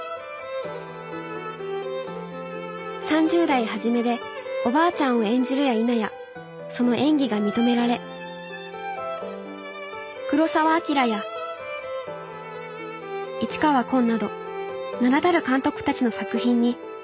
３０代初めでおばあちゃんを演じるやいなやその演技が認められ黒澤明や市川崑など名だたる監督たちの作品に老女役として出演。